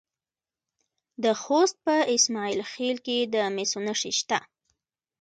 د خوست په اسماعیل خیل کې د مسو نښې شته.